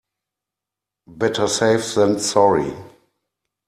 Better safe than sorry.